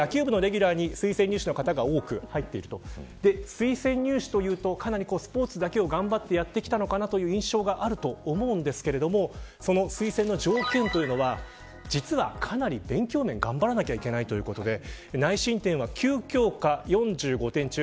推薦入試というとスポーツだけを頑張ってやってきたのかなという印象があると思うんですがその推薦の条件というのは実は、かなり勉強面を頑張らないといけないということです。